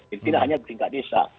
jadi tidak hanya tingkat desa